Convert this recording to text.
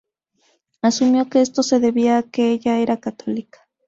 Asumió que esto se debía a que ella era católica.